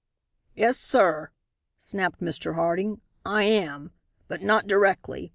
"Yes, sir," snapped Mr. Harding, "I am. But not directly.